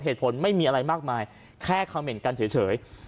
ไม่มีอะไรมากมายแค่คำเห็นกันเฉย